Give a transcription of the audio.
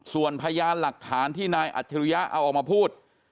ส่วนพยานหลักฐานที่นายอัจฉริยะเอาออกมาพูด